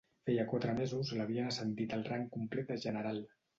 Feia quatre mesos l'havien ascendit al rang complet de general.